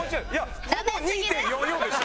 ほぼ２．４４でしょ。